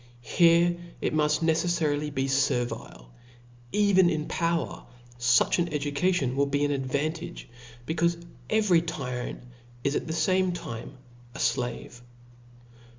Here it muft ne cefTarily be fertile \ even in power fuch an educa tion will be an advantage^ becaufe every tyrant is at the fame time a flave.